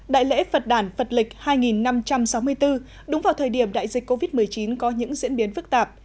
đại lễ phật đàn phật lịch hai năm trăm sáu mươi bốn đúng vào thời điểm đại dịch covid một mươi chín có những diễn biến phức tạp